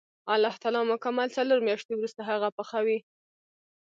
الله تعالی مکمل څلور میاشتې وروسته هغه پخوي.